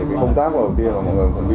thì công tác đầu tiên mà mọi người chuẩn bị